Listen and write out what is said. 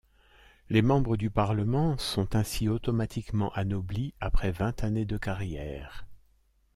Les membres du parlement sont ainsi automatiquement anoblis après vingt années de carrière.